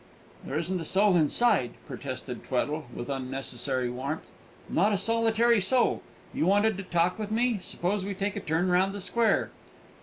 "There isn't a soul inside," protested Tweddle, with unnecessary warmth; "not a solitary soul! You wanted to talk with me. Suppose we take a turn round the square?"